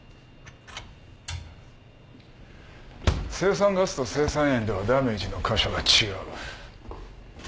青酸ガスと青酸塩ではダメージの箇所が違う。